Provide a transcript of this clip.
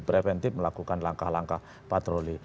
preventif melakukan langkah langkah patroli